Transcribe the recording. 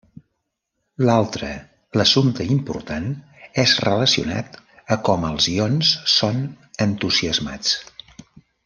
L'altre l'assumpte important és relacionat a com els ions són entusiasmats.